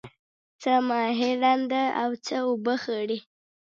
څه ماهی ړانده او څه اوبه خړی.